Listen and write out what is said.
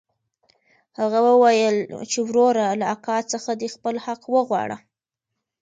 هغه وويل چې وروره له اکا څخه دې خپل حق وغواړه.